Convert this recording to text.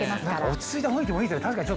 落ち着いた雰囲気もいい。